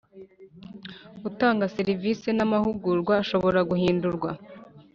Utanga serivisi n amahugurwa ashobora guhindurwa